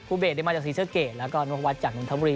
ภูเบศได้มาจากศิษย์เกดแล้วก็นพวัฒน์จากหนุนธมรี